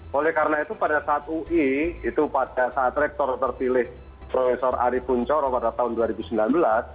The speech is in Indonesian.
oleh karena itu pada saat ui itu pada saat rektor terpilih prof ari puncoro pada tahun dua ribu sembilan belas